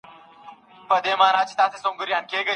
دی مجبور دی شاته نه سي ګرځېدلای